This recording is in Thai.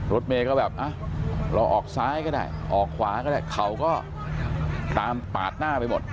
รถเมย์ก็แบบเราออกซ้ายก็ได้ออกขวาก็ได้เขาก็ตามปาดหน้าไปหมด